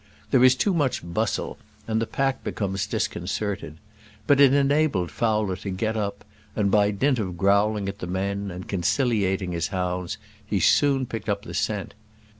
There is too much bustle, and the pack becomes disconcerted. But it enabled Fowler to get up, and by dint of growling at the men and conciliating his hounds, he soon picked up the scent.